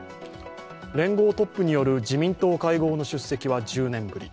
連合トップによる自民党会合の出席は１０年ぶり。